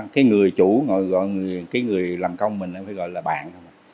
cái người chủ cái người làm công mình phải gọi là bạn